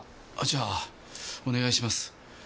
じゃあお願いします。